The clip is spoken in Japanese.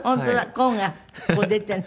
コーンがこう出てんの。